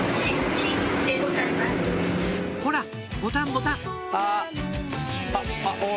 ほらボタンボタン！